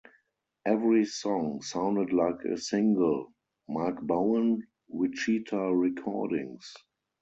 Every song sounded like a single - Mark Bowen, Wichita Recordings.